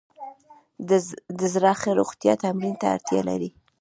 د زړه ښه روغتیا تمرین ته اړتیا لري.